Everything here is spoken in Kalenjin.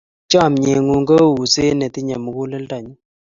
Chomye ng'ung' kou uset ne tinyei muguleldanyu.